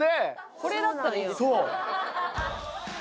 これだったらいいんですか？